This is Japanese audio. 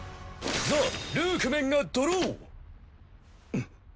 ザ・ルークメンがドロー！